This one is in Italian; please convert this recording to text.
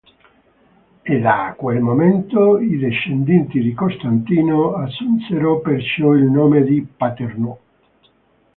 E da quel momento i discendenti di Costantino assunsero perciò il nome di Paternò